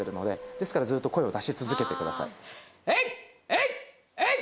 ですからずっと声を出し続けてください。